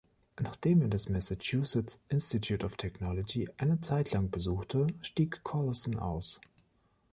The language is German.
Nachdem er das Massachusetts Institute of Technology eine Zeitlang besuchte, stieg Collison aus.